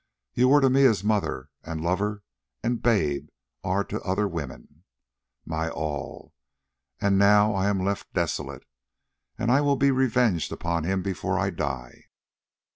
You were to me as mother, and lover, and babe are to other women—my all, and now I am left desolate, and I will be revenged upon him before I die.